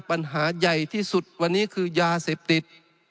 ปัญหาใหญ่ที่สุดวันนี้คือยาเสพติด